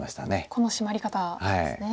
このシマリ方ですね。